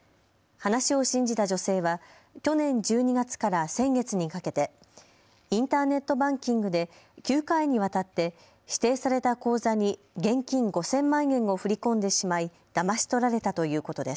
話を信じた女性は去年１２月から先月にかけてインターネットバンキングで９回にわたって指定された口座に現金５０００万円を振り込んでしまい、だまし取られたということです。